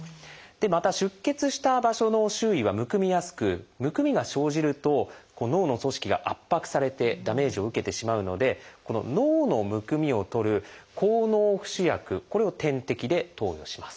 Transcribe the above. また出血した場所の周囲はむくみやすくむくみが生じると脳の組織が圧迫されてダメージを受けてしまうので脳のむくみを取る「抗脳浮腫薬」これを点滴で投与します。